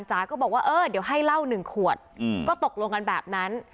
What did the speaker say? จ๋าก็บอกว่าเออเดี๋ยวให้เหล้า๑ขวดก็ตกลงกันแบบนั้น